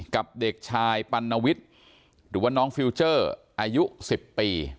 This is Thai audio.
กับเด็กชายปัณวิทย์หรือว่าน้องฟิลเจอร์อายุ๑๐ปี